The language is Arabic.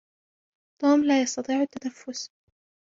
توم لا يستطيع التنفس.